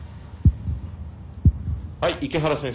はい池原先生